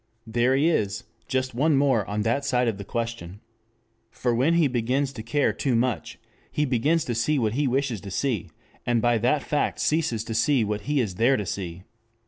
There he is, just one more on that side of the question. For when he begins to care too much, he begins to see what he wishes to see, and by that fact ceases to see what he is there to see.